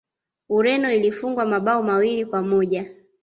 ureno ilifungwa mabao mawili kwa moja